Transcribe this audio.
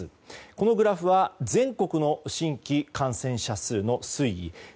このグラフは全国の新規感染者数の推移。